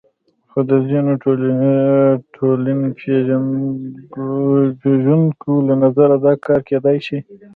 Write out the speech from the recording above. خو د ځینو ټولنپېژندونکو له نظره دا کار کېدای شي.